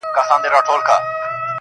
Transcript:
جوړ له انګورو څه پیاله ستایمه,